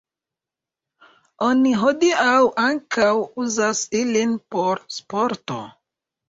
Oni hodiaŭ ankaŭ uzas ilin por sporto.